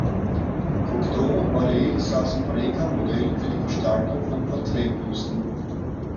Cocteau und Marais saßen Breker Modell für die Gestaltung von Porträtbüsten.